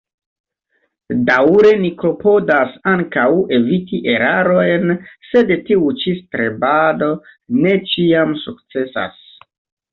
Daŭre ni klopodas ankaŭ eviti erarojn, sed tiu ĉi strebado ne ĉiam sukcesas.